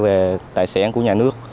về tài sản của nhà nước